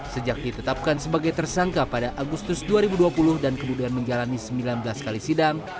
sejak ditetapkan sebagai tersangka pada agustus dua ribu dua puluh dan kemudian menjalani sembilan belas kali sidang